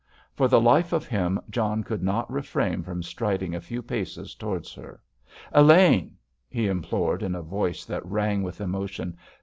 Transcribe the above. For the life of him John could not refrain from striding a few paces towards her. "Elaine!" he implored, in a voice that rang with emotion.